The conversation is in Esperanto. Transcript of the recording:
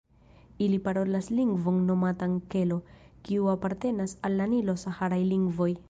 Ili parolas lingvon nomatan "Kelo", kiu apartenas al la nilo-saharaj lingvoj.